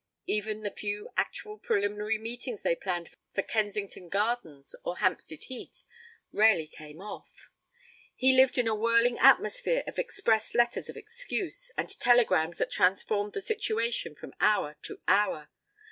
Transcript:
Even the few actual preliminary meetings they planned for Kensington Gardens or Hampstead Heath rarely came off. He lived in a whirling atmosphere of express letters of excuse, and telegrams that transformed the situation from hour to hour.